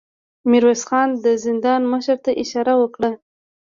ميرويس خان د زندان مشر ته اشاره وکړه.